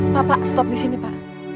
papa stop di sini pa